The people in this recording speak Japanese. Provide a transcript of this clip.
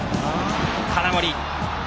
金森。